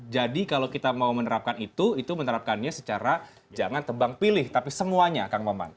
jadi kalau kita mau menerapkan itu itu menerapkannya secara jangan tebang pilih tapi semuanya kang paman